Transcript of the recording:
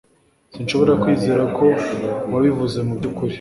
Sinshobora kwizera ko wabivuze mubyukuri